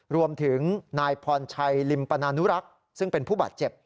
รวมถึงนายพรชัยลิมปนานุรักษ์ซึ่งเป็นผู้บาดเจ็บ